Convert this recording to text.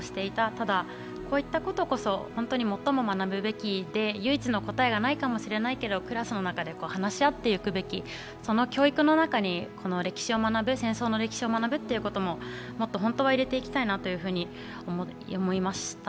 ただ、こういったことこそ本当に最も学ぶべきことで唯一の答えがないかもしれないけど、クラスの中で話し合っていくべきその教育の中に戦争の歴史を学ぶっていうことももっと本当は入れていきたいなと思いました。